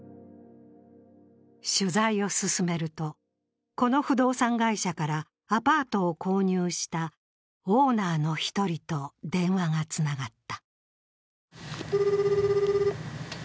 取材を進めると、この不動産会社からアパートを購入したオーナーの１人と電話がつながった。